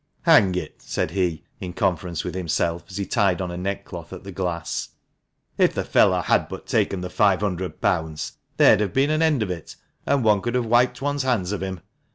" Hang it !" said he, in conference with himself, as he tied on a neck cloth at the glass, " if the fellow had but taken the five hundred pounds, there'd have been an end of it ; and one could have wiped one's hands of him.